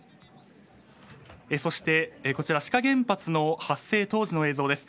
そして、こちら志賀原発の発生当時の映像です。